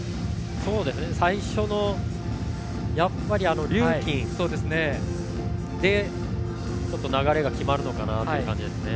最初のリューキンでちょっと流れが決まるのかなという感じですね。